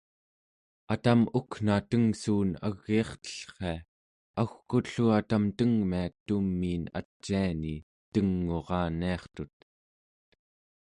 atam ukna tengssuun agiirtellria, au͡kut-llu atam tengmiat tumiin aciani teng'uraniartut